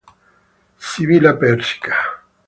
Sibilla Persica